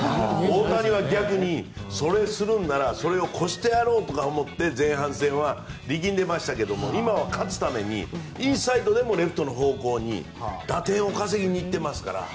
大谷は逆に、それをするなら越してやろうと思って前半戦は力んでましたけれども今は、勝つためにインサイドでもレフトの方向に打点を稼ぎにいってますから。